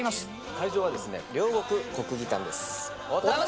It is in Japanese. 会場は両国・国技館です。